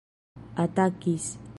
atakis